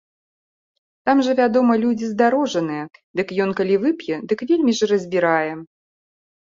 Там жа, вядома, людзі здарожаныя, дык ён калі вып'е, дык вельмі ж разбірае.